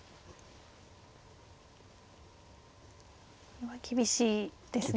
これは厳しいですね。